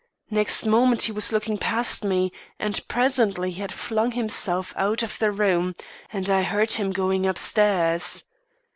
Next moment he was looking past me; and presently he had flung himself out of the room, and I heard him going upstairs.